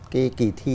cái kỳ thi